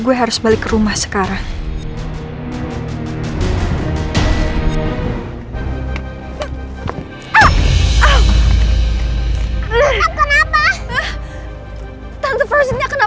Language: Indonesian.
gue harus balik rumah sekarang